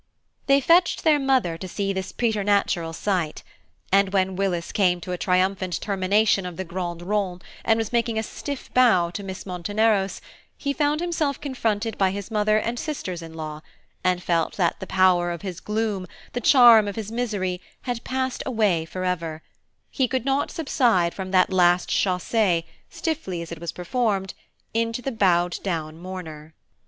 They fetched their mother to see this preternatural sight; and when Willis came to a triumphant termination of the grand rond, and was making a stiff bow to Miss Monteneros, he found himself confronted by his mother and sisters in law, and felt that the power of his gloom, the charm of his misery, had passed away for ever: he could not subside from that last chassé, stiffly as it was performed, into the bowed down mourner.